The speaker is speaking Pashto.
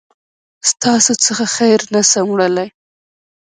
ستاسو څخه خير نسم وړلای